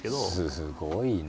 すごいな。